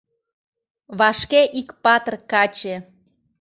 Вашке ик патыр каче